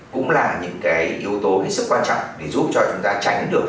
cũng là những cái yếu tố hết sức quan trọng để giúp cho chúng ta tránh được